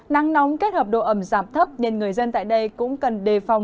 nắng nóng kết hợp độ ẩm giảm thấp nên người dân tại đây cũng cần đề phòng